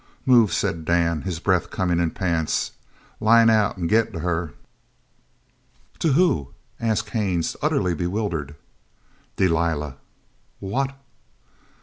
"Move," said Dan, his breath coming in pants. "Line out and get to her." "To who?" said Haines, utterly bewildered. "Delilah!" "What?"